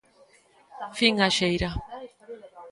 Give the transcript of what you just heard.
Fin á xeira.